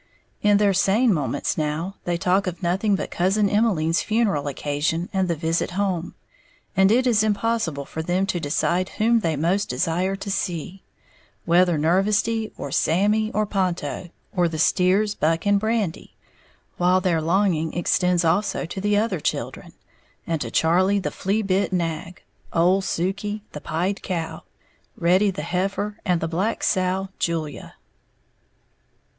In their sane moments now, they talk of nothing but Cousin Emmeline's funeral occasion and the visit home; and it is impossible for them to decide whom they most desire to see, whether Nervesty, or Sammy, or Ponto, or the steers Buck and Brandy; while their longing extends also to the other children, and to Charlie the "flea bit" nag, Ole Suke, the "pied" cow, Reddy the heifer, and the black sow, Julia.